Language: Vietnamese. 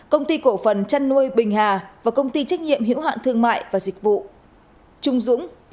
công ty cổ phần chăn nuôi bình hà và công ty trách nhiệm hiểu hạn thương mại và dịch vụ trung dũng